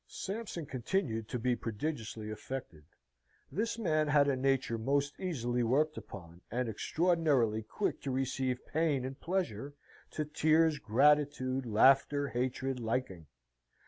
Sampson continued to be prodigiously affected. This man had a nature most easily worked upon, and extraordinarily quick to receive pain and pleasure, to tears, gratitude, laughter, hatred, liking.